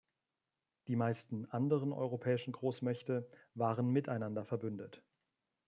Die meisten anderen europäischen Großmächte waren miteinander verbündet.